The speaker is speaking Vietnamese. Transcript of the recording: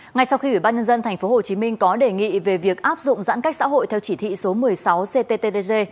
ngay sau khi ủy ban nhân dân tp hcm có đề nghị về việc áp dụng giãn cách xã hội theo chỉ thị số một mươi sáu cttg